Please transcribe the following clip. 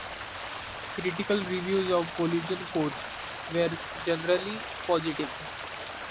Critical reviews of "Collision Course" were generally positive.